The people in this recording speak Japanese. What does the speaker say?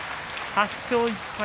８勝１敗。